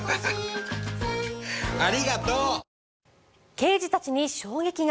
刑事たちに衝撃が！